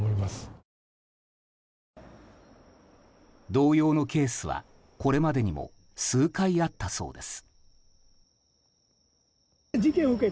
同様のケースは、これまでにも数回あったそうです。